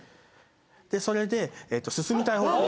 それで進みたい方向に。